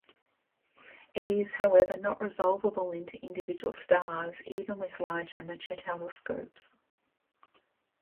It is, however, not resolvable into individual stars even with larger amateur telescopes.